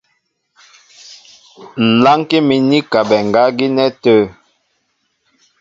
Ŋ̀ lánkí mín i kabɛ ŋgá gínɛ́ tə̂.